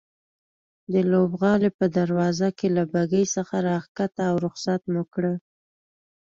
د لوبغالي په دروازه کې له بګۍ څخه راکښته او رخصت مو کړه.